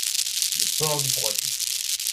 Le port du Croisic.